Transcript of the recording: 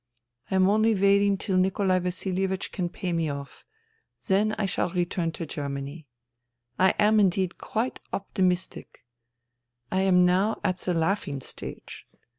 " I am only waiting till Nikolai Vasilievich can pay me off ; then I shall return to Germany. I am indeed quite optimistic. I am now at the laughing stage.